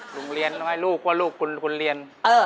โรงเรียนให้ลูกว่าลูกคุณเรียน